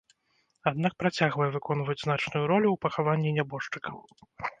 Аднак працягвае выконваць значную ролю ў пахаванні нябожчыкаў.